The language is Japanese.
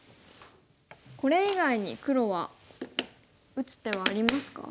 これ以外に黒は打つ手はありますか？